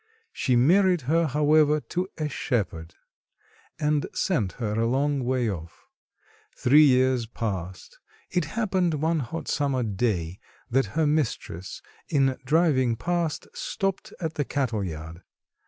She married her, however, to a shepherd, and sent her a long way off. Three years passed. It happened one hot summer day that her mistress in driving past stopped at the cattle yard.